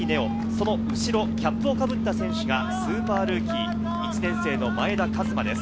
その後ろ、キャップをかぶった選手がスーパールーキー、１年生の前田和摩です。